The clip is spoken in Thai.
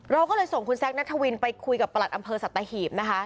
เราก็เลยส่งคุณแซคนัทวินไปคุยกับประหลัดอำเภอสัตหีบนะคะ